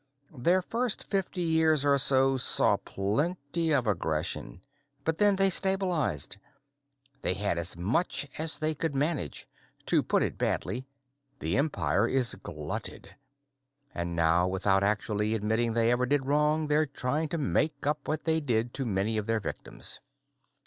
"Their first fifty years or so saw plenty of aggression. But then they stabilized. They had as much as they could manage. To put it baldly, the Empire is glutted. And now, without actually admitting they ever did wrong, they're trying to make up what they did to many of their victims."